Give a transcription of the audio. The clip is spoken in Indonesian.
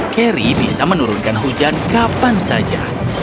keri bisa menurunkan hujan kapan saja